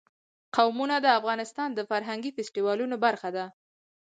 قومونه د افغانستان د فرهنګي فستیوالونو برخه ده.